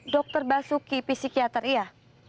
dokter basuki psikiater iya